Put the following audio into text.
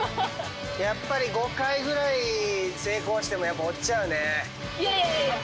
やっぱり５回ぐらい成功しても落ちちゃうね。